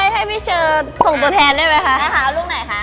ให้พี่เชิร์ดส่งตัวแทนด้วยไหมคะแล้วหาลูกไหนคะ